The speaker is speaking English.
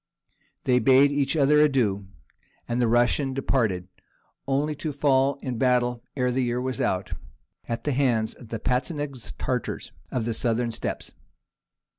They bade each other adieu, and the Russian departed, only to fall in battle ere the year was out, at the hands of the Patzinak Tartars of the Southern Steppes.